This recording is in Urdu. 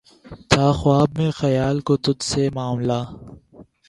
تھا خواب میں خیال کو تجھ سے معاملہ